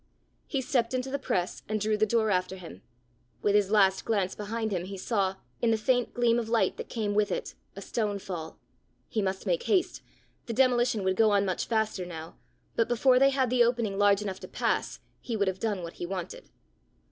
He stepped into the press and drew the door after him: with his last glance behind him he saw, in the faint gleam of light that came with it, a stone fall: he must make haste: the demolition would go on much faster now; but before they had the opening large enough to pass, he would have done what he wanted!